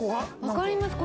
わかります。